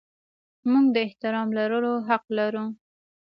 موږ د احترام لرلو حق لرو.